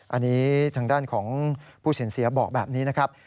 อันนี้ทางด้านของผู้สินเสียบอกแบบนี้นะครับ